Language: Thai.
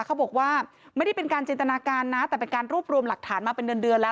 เขาบอกว่าไม่ได้เป็นการจินตนาการนะแต่เป็นการรวบรวมหลักฐานมาเป็นเดือนแล้ว